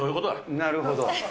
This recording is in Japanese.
なるほど。